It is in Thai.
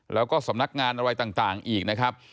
แล้วก็สำนักงานอะไรต่างอีกนะครับ